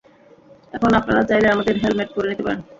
এখন আপনারা চাইলে আপনাদের হেলমেট পরে নিতে পারেন!